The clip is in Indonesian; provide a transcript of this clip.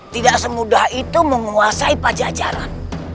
tidak semudah itu menguasai pajajaran